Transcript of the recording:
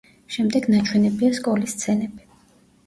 შემდეგ ნაჩვენებია სკოლის სცენები.